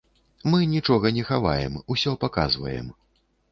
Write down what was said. Мы нічога не хаваем, усё паказваем.